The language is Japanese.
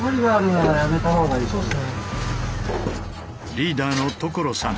リーダーの所さん